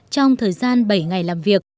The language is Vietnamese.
trong thời gian bảy ngày làm việc